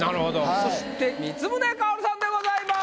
そして光宗薫さんでございます。